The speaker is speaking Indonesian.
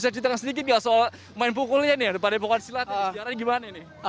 bisa ceritakan sedikit nggak soal main pukulnya nih ya padebukan silat sejarahnya gimana nih